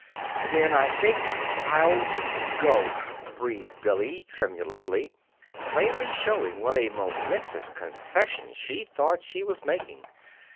"Then I think I'll go," breathed Billy, tremulously, plainly showing what a momentous concession she thought she was making.